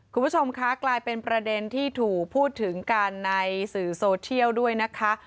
คุณผู้ชมคะกลายเป็นประเด็นที่ถูกพูดถึงกันในสื่อโซเชียลด้วยนะคะ